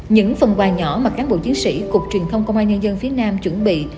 những phần quà nhỏ mà cán bộ chiến sĩ cục truyền thông công an nhân dân phía nam chuẩn bị